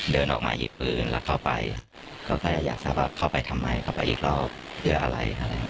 เดินออกมาหยิบปืนแล้วเข้าไปก็แค่อยากทราบว่าเข้าไปทำไมเข้าไปอีกรอบเพื่ออะไรอะไร